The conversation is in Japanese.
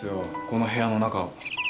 この部屋の中を。